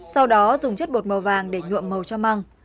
sau đó dùng chất bột màu vàng để nhuộm màu cho măng